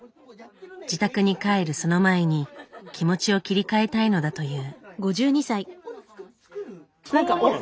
自宅に帰るその前に気持ちを切り替えたいのだという。